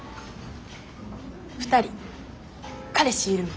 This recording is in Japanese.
２人彼氏いるん？